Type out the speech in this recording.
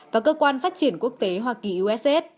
và cơ quan phát triển quốc tế hoa kỳ uss